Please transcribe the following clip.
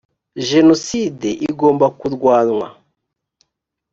genocide igomba kurwanywa .